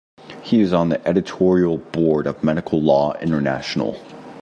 He is on the editorial board of Medical Law International.